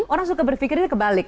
orang suka berpikir ini kebalik